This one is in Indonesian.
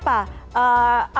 apakah ada rencana